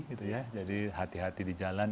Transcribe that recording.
gitu ya jadi hati hati di jalan